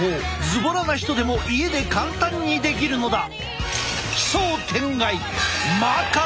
ずぼらな人でも家で簡単にできるのだ！